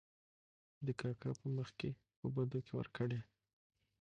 د کاکا په مخکې په بدو کې ور کړې .